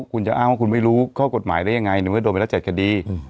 คุณจะอ้างว่าคุณไม่รู้ข้อกฎหมายได้ยังไงในเมื่อโดนไปละ๗คดี